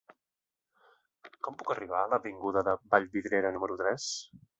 Com puc arribar a l'avinguda de Vallvidrera número tres?